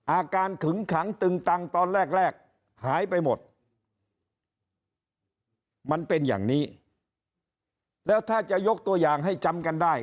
ขึงขังตึงตังตอนแรกแรกหายไปหมดมันเป็นอย่างนี้แล้วถ้าจะยกตัวอย่างให้จำกันได้